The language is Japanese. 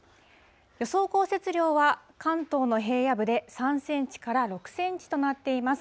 予想降雪量は、関東の平野部で３センチから６センチとなっています。